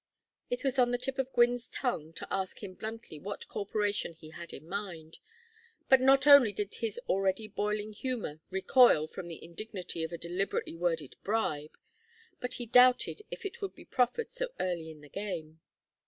It was on the tip of Gwynne's tongue to ask him bluntly what corporation he had in mind, but not only did his already boiling humor recoil from the indignity of a deliberately worded bribe, but he doubted if it would be proffered so early in the game.